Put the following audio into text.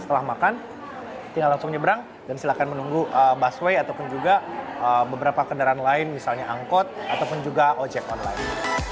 setelah makan tinggal langsung nyebrang dan silakan menunggu busway ataupun juga beberapa kendaraan lain misalnya angkot ataupun juga ojek online